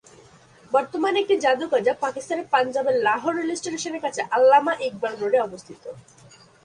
বর্তমানে এটি জাদুঘর যা পাকিস্তানের পাঞ্জাবের লাহোর রেলস্টেশনের কাছে আল্লামা ইকবাল রোডে অবস্থিত।